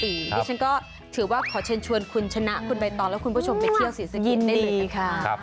นี่ฉันก็ถือว่าขอเชิญชวนคุณชนะคุณใบตองและคุณผู้ชมไปเที่ยวศรีสะกิดได้เลยนะคะ